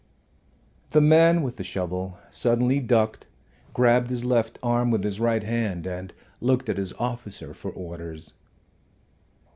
The man with the shovel suddenly ducked, grabbed his left arm with his right hand, and looked at his officer for orders.